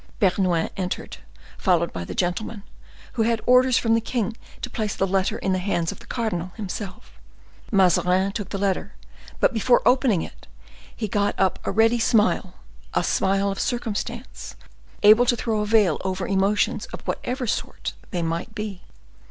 Bernouin entered, followed by the gentleman, who had orders from the king to place the letter in the hands of the cardinal himself. Mazarin took the letter, but before opening it, he got up a ready smile, a smile of circumstance, able to throw a veil over emotions of whatever sort they might be.